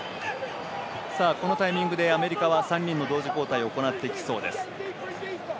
このタイミングでアメリカは３人の同時交代を行ってきそうです。